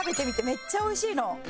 めっちゃ美味しいの。